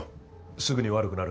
すぐに悪くなる。